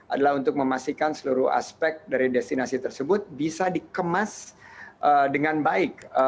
adalah untuk memastikan seluruh aspek dari destinasi tersebut bisa dikemas dengan baik